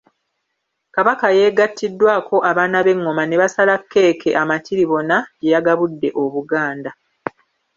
Kabaka yeegatiddwako abaana b’Engoma ne basala keeke amatiribona gye yagabudde Obuganda.